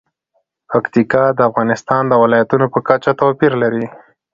پکتیکا د افغانستان د ولایاتو په کچه توپیر لري.